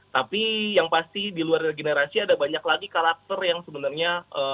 tapi yang pasti di luar regenerasi ada banyak lagi karakter yang sebenarnya